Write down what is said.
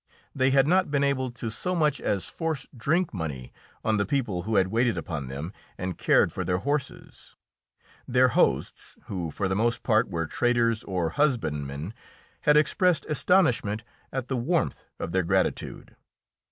They had not been able to so much as force drink money on the people who had waited upon them and cared for their horses. Their hosts, who for the most part were traders or husbandmen, had expressed astonishment at the warmth of their gratitude.